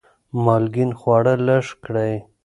مالګین خواړه لږ کړئ.